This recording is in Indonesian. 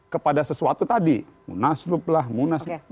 kepada sesuatu tadi munaslo lah munaslo